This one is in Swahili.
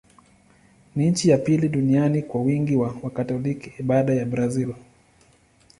Ni nchi ya pili duniani kwa wingi wa Wakatoliki, baada ya Brazil.